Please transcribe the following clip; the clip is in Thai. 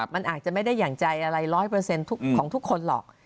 มันอาจจะไม่ได้อย่างใจอะไร๑๐๐ของทุกคนหรอก